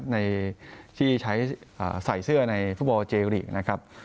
ในที่ใส่เสื้อในฟุตบอลเจอิลลีก